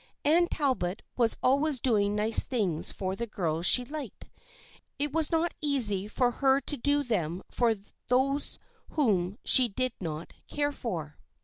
Anne Talbot was always doing nice things for the girls she liked. It was not so easy for her to do them for those whom she did not care for.